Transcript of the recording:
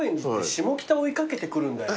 下北追い掛けてくるなよ。